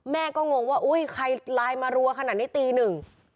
แม่ก็งงว่าอุ้ยใครไลน์มารัวขนาดนี้ตีหนึ่ง